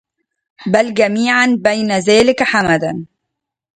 بلْ جميعاً وبين ذلك حمداً